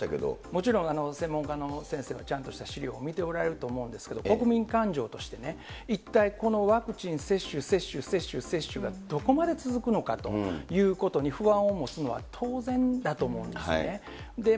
もちろん専門家の先生がちゃんとした資料を見ておられると思うんですけれども、国民感情としてね、一体このワクチン接種、接種、接種がどこまで続くのかということに不安を持つのは当然だと思うんですね。